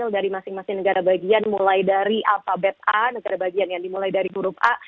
dari masing masing negara bagian mulai dari alfabet a negara bagian yang dimulai dari huruf a